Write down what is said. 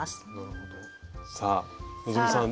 さあ希さん